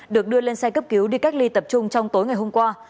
được đưa lên xe cấp cứu đi cách ly tập trung trong tối ngày hôm qua